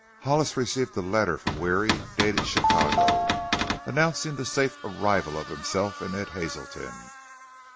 Hollis received a letter from Weary, dated "Chicago," announcing the safe arrival of himself and Ed Hazelton.